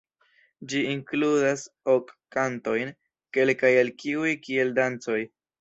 Ĝi inkludas ok kantojn, kelkaj el kiuj kiel dancoj.